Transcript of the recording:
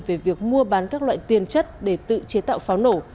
về việc mua bán các loại tiền chất để tự chế tạo pháo nổ